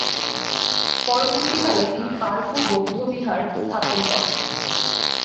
পরবর্তীকালে তিনি পার-ফু বৌদ্ধবিহার স্থাপন করেন।